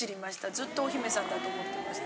ずっとお姫さんだと思ってました。